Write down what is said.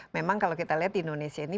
memang kalau kita lihat di indonesia ini